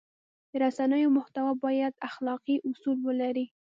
د رسنیو محتوا باید اخلاقي اصول ولري.